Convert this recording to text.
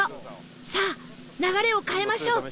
さあ流れを変えましょう！